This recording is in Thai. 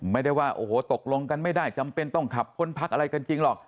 ไม่ได้ว่าโอ้โหตกลงกันไม่ได้จำเป็นต้องขับพ้นพักอะไรกันจริงหรอก